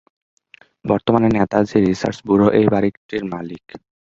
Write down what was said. বর্তমানে Netaji research bureau এই বাড়িটির মালিক।